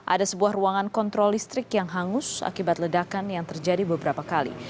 ada sebuah ruangan kontrol listrik yang hangus akibat ledakan yang terjadi beberapa kali